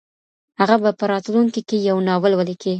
هغه به په راتلونکي کي یو ناول ولیکي.